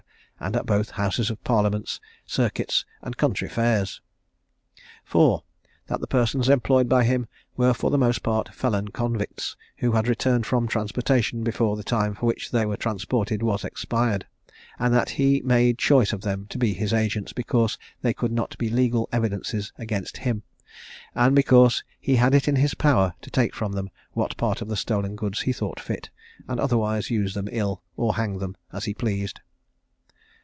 and at both houses of parliament, circuits, and country fairs. IV. That the persons employed by him were for the most part felon convicts, who had returned from transportation before the time for which they were transported was expired; and that he made choice of them to be his agents, because they could not be legal evidences against him, and because he had it in his power to take from them what part of the stolen goods he thought fit, and otherwise use them ill, or hang them, as he pleased.